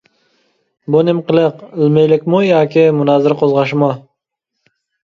بۇ نېمە قىلىق؟ ئىلمىيلىكمۇ ياكى مۇنازىرە قوزغاشمۇ؟ !